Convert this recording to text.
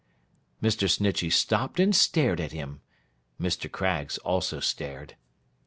Mr. Snitchey stopped and stared at him. Mr. Craggs also stared.